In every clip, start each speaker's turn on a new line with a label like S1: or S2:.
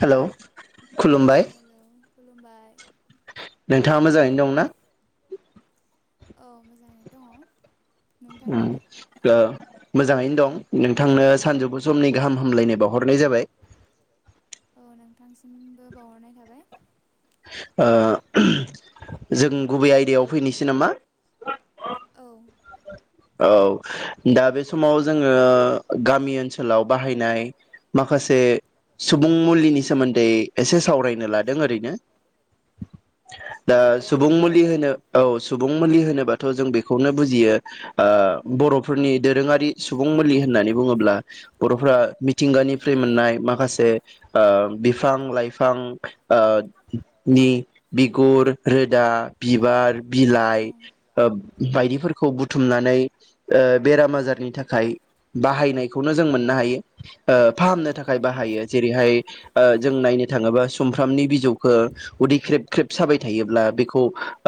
S1: Hello खुलुमबाय।
S2: खुलुमबाय।
S1: नोंथाङा मोजाङैनो दंना?
S2: औ मोजाङै दङ।
S1: उम ओ मोजाङैनो दं नोंथांनो सानजौफु समनि गाहाम हामलायनाय बावहरनाय जाबाय।
S2: औ नोंथांसिमबो बावहरनाय थाबाय।
S1: ओ जों गुबै आयदायाव फैनोसै नामा? औ दा बे समाव जोङो गामि ओनसोलाव बाहायनाय माखासे। सुबुं मुलिनि सोमोन्दै एसे सावरायनो लादों ओरैनो दा सुबुं मुलि होनो औ सुबुं मु मुलि होनोबाथ जों बेखौनो बुजियो ओ बर'फोरनि दोरोङारि सुबुं मुलि होननानै बुङोब्ला बर'फोरा मिथिंगानिफ्राय मोननाय माखासे ओ बिफां लाइफां ओ। नि बिगुर रोदा बिबार बिलाइ ओ बायदिफोर। खौ बुथुमनानै ओ बेराम आजार। नि थाखाय बाहायनायखौनो जों मोननो हायो ओ फाहामनो थाखाय बाहायो जेरैहाय ओ जों नायनो थाङोबा सुमफ्रामनि बिजौखो उदै ख्रेब ख्रेब साबाय थायोब्ला बेखौ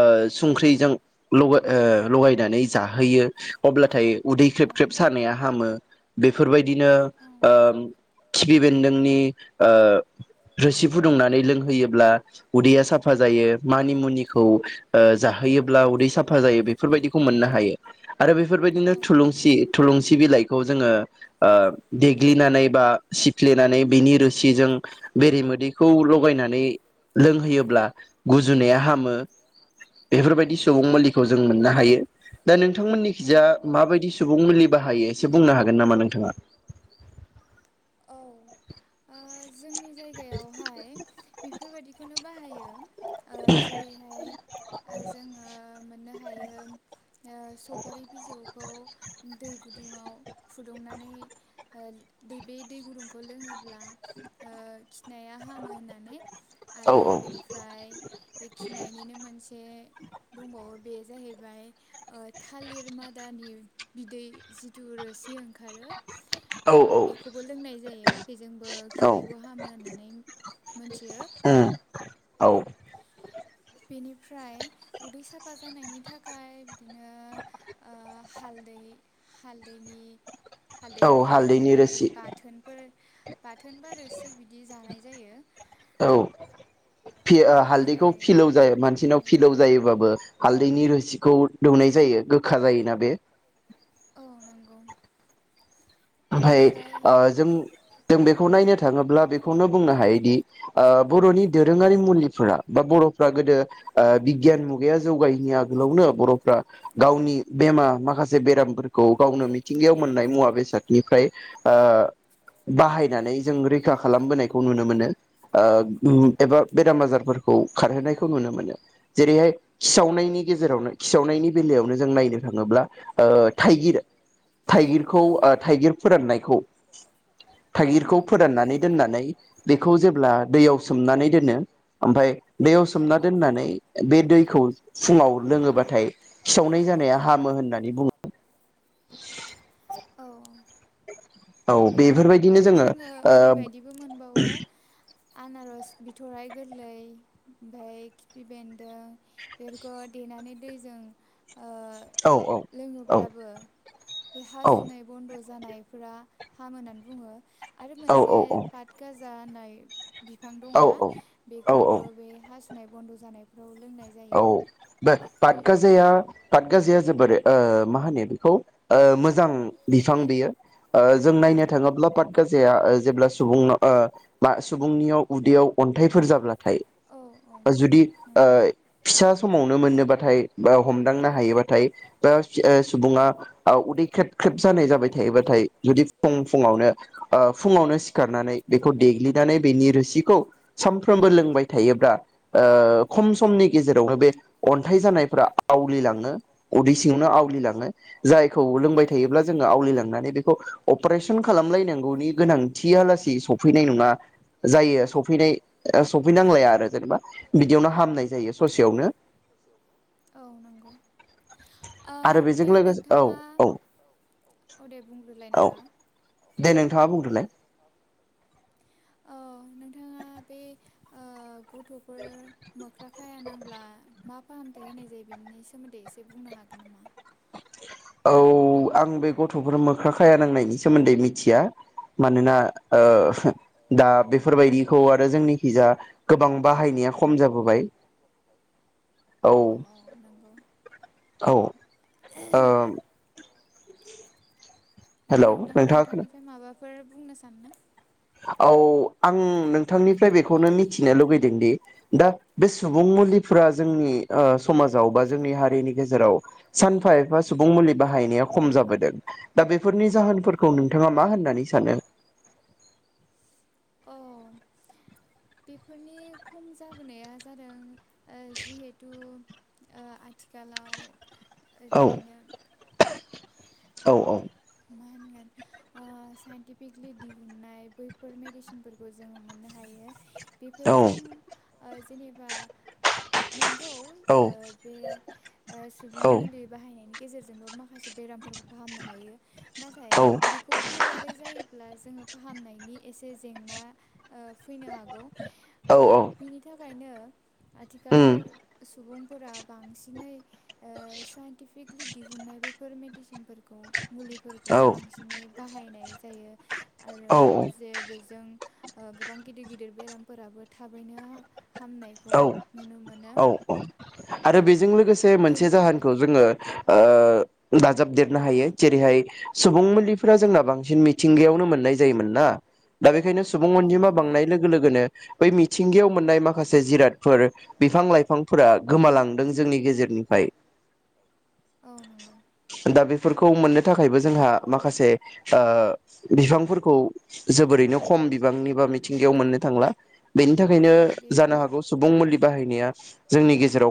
S1: ओ संख्रिजों लगाय ओ लगायनानै जाहोयो अब्लाथाय उदै ख्रेब ख्रेब सानाया हामो बेफोरबायदिनो ओ खिफि बेन्दोंनि ओ रोसि फुदुंनानै लोंहोयोब्ला उदैया साफा जायो मानि मुनिखौ ओ जाहोयोब्ला उदै साफा जायो बेफोरबायदिखौ मोननो हायो आरो बेफोरबायदिनो थुलुंसि थुलुंसि बिलाइखौ जोङो ओ देग्लिनानै बा सिफ्लेनानै बिनि रोसिजों बेरेमोदैखौ लगायनानै लोंहोयोब्ला गुजुनाया हामो बेफोरबायदि सुबुं मुलिखौ जों मोननो हायो दा नोंथांमोननि खिजा माबायदि सुबुं मुलि बाहायो इसे बुंनो हागोन नामा नोंथाङा?
S2: औ ओ जोंनि जायगायावहाय बेफोरबायदिखौनो बाहायो ओ जेरैहाय ओ जोङो मोननो हायो। ओ सफारि बिजौखौ दै गुदुङाव फुदुंनानै ओ दै बे दै गुदुंखौ लोङो ब्ला खिनाया हामो होननानै आरो बेनिफ्राय बे खिनायनिनो मोनसे। दंबावो बे जाहैबाय ओ थालिर मादानि बिदै जिथु रोसि ओं खारो बेखौ। खौबो लोंनाय जायो बेजोंबो खिनायबो हामो होननानै मोनथियो बेनिफ्राय उदै साफा जानायनि थाखाय बिदिनो हालदै हालदैनि। हालदैखौ उननानै बाथोनफोर बाथोन बा रोसि बिदि जानाय जायो।
S1: औ फि हालदैखौ फिलौ जायो मानसिनाव फिलौ जायोबाबो हालदैनि रोसिखौ दौनाय जायो, गोखा जायोना बे? ओमफाय ओ जों जों बेखौ नायनो थाङोब्ला बेखौनो बुंनो हायोदि ओ बर'नि दोरोङारि मुलिफोरा बा बर'फ्रा गोदो ओ बिगियान मुगाया जौगायैनि आगोलावनो बर'फ्रा गावनि बेमा माखासे बेरामफोरखौ गावनो मिथिंगायाव मोननाय मुवा बेसाद निफ्राय ओ बाहायनानै जों रैखा खालामबोनायखौ नुनो मोनो। ओ उम एबा बेराम आजारफोरखौ खारहोनायखौ नुनो मोनो। जेरैहाय खिसावनाय नि गेजेरावनो खिसावनायनि बेलायावनो जों नायनो थाङोब्ला ओ थाइगिर थाइगिरखौ थाइगिर फोराननायखौ थाइगिरखौ फोराननानै दोननानै बेखौ जेब्ला दैयाव सोमनानै दोनो ओमफ्राय दैयाव सोमना दोननानै बे दैखौ फुङाव लोङोबाथाय खिसावनाय जानाया हामो होननानै बुङो
S2: औ।
S1: औ बेफोरबायदिनो जोङो ओ
S2: आनारस बिथ'राइ गोरलै ओमफ्राय खिफि बेन्दों इफोरखौ देनानै दैजों ओ लोङोब्लाबो बे हासुनाय बन्द' जानायफोरा हामो नानै बुङो। आरो मोनसे पातगास जानाय। बिफां दङना बेखौबो बे हासु नाय बन्द' जानायफ्राव
S1: औ बे पाद गाजाया पाटगाजाया जोबोर ओ मा होनो बेखौ ओ मोजां बिफां बेयो। ओ जों नायनो थाङोब्ला पाटगाजाया ओ जेब्ला सुबुंनो ओ मा सुबुंनियाव उदैयाव अन्थाइफोर जाब्ला थायो जुदि ओ फिसा समावनो मोन्नोबाथाय बा हम दांनो हायोबाथाय बा सु-सुबुङा ओ उदै ख्रेब ख्रेब जानाय जाबाय थायोबाथाय जुदि फुं फुङावनो अ फुङावनो सिखारनानै बेखौ देग्लिनानै बेनि रोसिखौ सानफ्रोमबो लोंबाय थायोब्ला ओ खम समनि गेजेरावनो बे अन्थाइ जानायफोरा आवलिलाङो उदै सियावनो आवलिलाङो जायखौ लोंबाय थायोब्ला जोङो आवलिलांनानै बेखौ अपारेशन खालामलायनांगौनि गोनांथिया लासेै सफैनाय नङा जायो सफैनाय सफैनांलाया आरो जेनेबा बिदियावनो हामनाय जायो। ससेयावनो।
S2: ओमफ्राय नोंथाङा औ दे बुंग्रोलाय नोंथाङा
S1: दे नोंथाङा बुंदोलाय।
S2: अ नों। गथ'फोर [unintelligible] राखाया नांब्ला मा फाहामथाय होनाय जायो बिनि सोमोन्दै एसे बुंनो हागोन नामा?
S1: औ आं बे गथ'फोर मोख्रा खाया नांनायनि सोमोन्दै मिथिया मानोना ओ दा बेफोरबायदिखौ आरो जोंनि खिजा गोबां बाहायनाया खम जाबोबाय। औ औ
S2: फ्राय नोंना नोंथांनिफ्राय माबा फोर बुंनो साननो
S1: औ आं नोंथांनिफ्राय बेखौनो मिथिनो लुुबैदोंदि दा बे सुबुं मुलिफोरा जोंनि ओ समाजाव बा जोंनि हारिनि गेजेराव सानफा एफा सुबुं मुलि बाहायनाया खम जाबोदों। दा बेफोरनि जाहोनफोरखौ नोंथाङा मा होननानै सानो?
S2: औ बेफोरनि खम जाबोनाया जादों ओ जिहेथु ओ आथिखालाव। [unintelligible] बिदिनो
S1: औ औ।
S2: मा होनगोन ओ साइन्टिफिकलि दिहुनन्नाय बैफोर मेडिसिनफोरखौ जोङो मोननो हायो। बेफोरजों ओ जेनेबा नोंख [unintelligible] ओ बे ओ सुबुं मुलि बाहायनायनि गेजेरजोंबो माखासे बेराम। फोरखौ फाहामनो हायो। नाथाय बेखौ गोबारै जायोब्ला जोङो फाहामनायनि एसे जेंना ओ फैनो हागौ। ओ बिनि थाखायनो आथिखालाव सुबुं फोरा बांसिनै ओ साइन्टिफिकलि दिहुनन्नाय बैफोर मेडिसिनफोरखौ मुलिफोरखौ बांसिनै बाहायनाय जायो। आरो जे बेजों गोबां गिदिर गिदिर बेरामफोराबो थाबैनो
S1: औ औ औ आरो बेजों लोगोसे मोनसे जाहोनखौ जोङो। ओ दाजाबदेरनो हायो जेरैहाय सुबुं मुलिफोरा जोंना बांसिन मिथिंगायावनो मोननाय जायोमोन ना। दा बेखायनो सुबुं अनजिमा बांनाय लोगो लोगोनो बै मिथिंगिायाव मोननाय मा से जिरादफोर बिफां लाइफांफोरा गोमालांदों जोंनि गेजेरनिफ्राय।
S2: औ नगौ।
S1: फोरखौ मोननो थाखायबो जोंहा माखासे ओ बिफांफोरखौ जोबोरैनो खम बिबांनि बा मिथिंगायाव मोननो थांला बेनि थाखायनो [unintelligible] सुबुं मुलि बाहायनाया जोंनि गेजेराव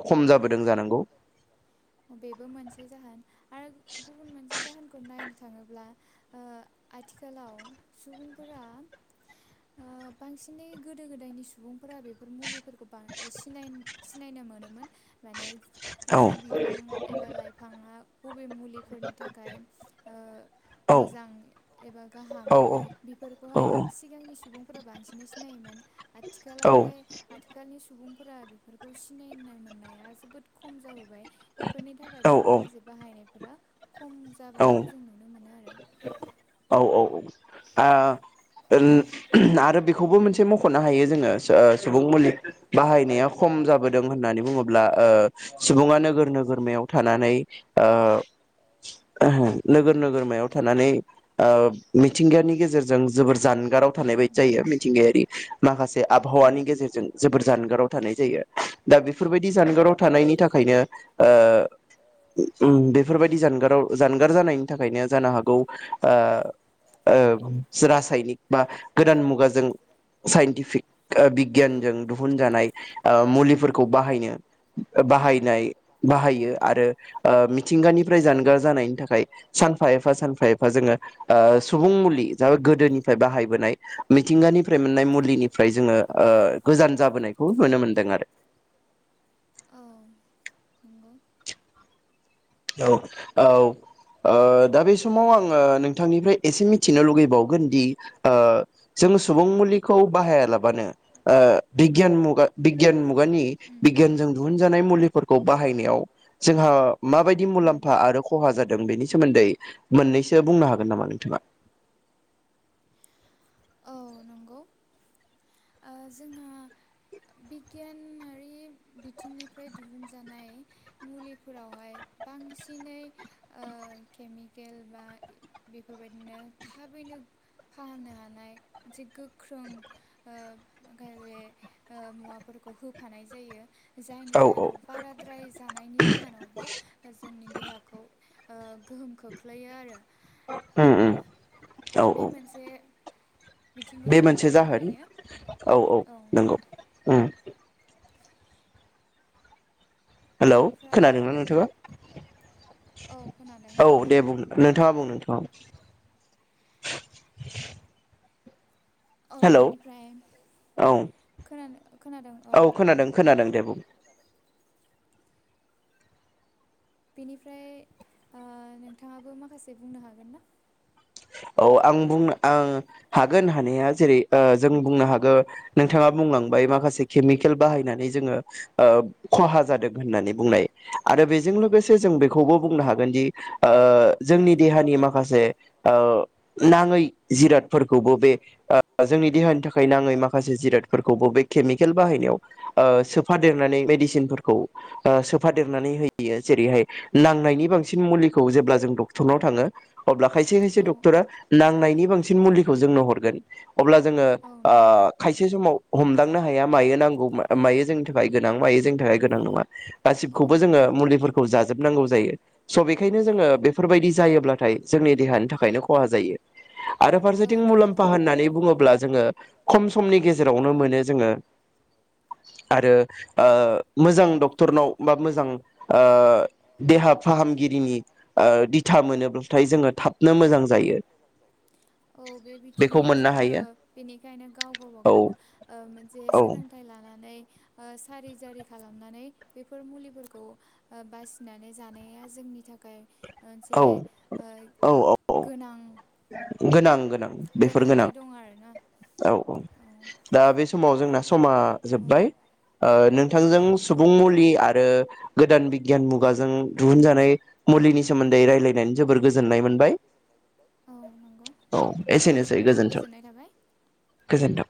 S2: बेबो मोनसे जाहोन आरो गुबुन मोनसे जाहोनखौ नायनो थाङोब्ला ओ आथिखालाव सुबुंफोरा ओ बांसिनै गोदो गोदायनि सुबुंफोरा बेफोर मुलिफोरखौनाय सिनायनो सिनायनो मोनोमोन। माने जि बिफां एबा लाइफाङा बबे मुलिफोरनि थाखाय ओ मोजां एबा गाहाम बेफोरखौहाय सिगांनि सुबुं फोरा बांसिन सिनायोमोन आथिखालावहाय आथिखालनि सुबुं फोरा बेफोरखौ [unintelligible] मोननाया जोबोद खम जाबोबाय। बेफोरनि थाखायबो माखासे बाहायनाय फोरा
S1: औ औ औ औ आ ओम आरो बेखौबो मोनसे मखनो हायो जोङो सुबुं मुलि बाहायनाया खम जाबोदों होननानै बुङोब्ला सुबुङा नोगोर नोगोरमायाव थानानै ओ नोगोर नोगोरमायाव थानानै ओ मिथिंगानि गेजेरजों जोबोर जानगाराव थानाय बायदि जायो मिथिंगायारि माखासे आबहावानि गेजेरजों जोबोर जानगाराव थानाय जायो दा बेफोरबायदि जानगाराव थानायनि थाखायनो ओ उम बेफोरबायदि जानगाराव जानगार जानायनि थाखायनो जानो हागौ ओ आ रासायनिख बा गोदान मुगाजों साइटएफेक बिगियानजों दिहुनजानाय मुलिफोरखौ बाहायनो बाहनाय बाहायो आरो मिथिंगानिफ्राय जानगार जानायनि थाखाय सानफा एफा सानफा एफा जोंङो सुबुं मुलि गोदोनिफ्राय बाहायबोनाय मिथिंगानिफ्राय मोननाय मुलिनिफ्राय जोङो ओ गोजान जाबोनायखौ नुनो मोनदों आरो औ औ दा बे समाव आङो नोंथांनिफ्राय एसे मिथिनो लुगैबावगोन दि जों सुबुं मुलिखौ बाहायालाबानो ओ बिगियान मुगा बिगियान मुगानि बिगियानजों दुहुनजा जानाय मुलिफोरखौ बाहायनायाव जोंहा माबायदि मुलाम्फा आरो खहा जादों बेनि सोमोन्दै मोननैसो बुंनो हागोन नामा नोंथाङा?
S2: औ नंगौ ओ जोंहा बिगियानारि बिथिंनिफ्राय दिहुनजानाय मुलिफोरावहाय बांसिनै ओ केमिकेल बा बेफोरबायदिनो थाबैनो फाहामनो हानाय मोनसे गोख्रों ओ [unintelligible] माखासे मुवाफोरखौ होफानाय जायो। जायनि जाहोनाव बाराद्राय जानायनि जाहोनावबो जोंनि देहाखौ गोहोम खोख्लैयो आरो
S1: उ उ औ औ। बे मोनसे जाहोन औ औ नंगौ ओम। हेलौ खोनादोंना नोंथाङा? औ दे बुं नोंथाङा बुं नोंथाङा [inaudible]
S2: औ बेनिफ्राय खोना खोनादों औ बेनिफ्राय ओ नोंथाङाबो माखासे बुंनो हागोन ना?
S1: औ आं बुंनो आं हागोन हानाया जेरै ओ जों बुंनो हागोन नोंथाङा बुंलांबाय माखासे केमिकेल बाहायनानै जोङो ओ खहा जादों होननानै बुंनाय आरो बे जों लोगोसे जों बेखौबो बुंनो हागोनदि जोंनि देहानि माखासे ओ नाङै जिरादफोरखौबो बेे ओ जोंनि देहानि थाखाय नाङै माखासे जिरादफोरखौबो बेे केमिकेल बाहायनायाव ओ सोफादेरनानै ओ मेडिसिनफोरखौ सोफादेरनानै होयो जेरै- नांनायनि बांसिन मुलिखौ जेब्ला जों डक्टरनाव थाङो अब्ला खायसे खायसे खायसे डक्टरा नांनायनि बांसिन मुलिखौ जोंनो हरगोन अब्ला जोङो ओ खायसे समाव हमदांनो हाया मायो नांगौमोन मायो जोंनि थाखाय गोनां मायो जोंनि थाखाय गोनां नङा गासिबखौबो जोङो मुलिफोरखौ जाजोबनांगौ जायो स बेखायनो जोङो बेफोरबायदि जायोब्लाथाय जोंनि देहानि थाखाय थाखायनो खहाजायो आरो फारसेथिं मुलाम्फा होननानैबुङोब्ला जोङो खम समनि गेजेरावनोमोनो जोङो। आरो ओह मोजां डक्टरनाव बा मोजां ओह देहाफाहामगिरिनि ओह दिथामोनोब्लाथाय जोङो थाब
S2: औ बे बिथिङाव जोङो बेनिखायनो गाव गावबा गाव ओह मोनसे सोलोंथाइ लाना [unintelligible] सारि जारि खालामनानै बेफोर मुलिफोरखौ ओह बासिनानै जानाया जोंनिथाखाय ओनसे ओह गोनां।
S1: गोनां गोन बेफोर गोनां औ औ दा बेसाव जोंना समा जोब्बाय ओह नोंथांजों सुबुंमुलि आरो गोदान बिग गियान मुगाजों दिहुनजानाय मुलिनिसोमोन्दै रायलायनानै जोबोर गोजोननाय मोनबाय। औ एसेनोसै गोजोनथों गोजोनथों।